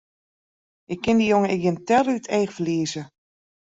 Ik kin dy jonge ek gjin tel út it each ferlieze!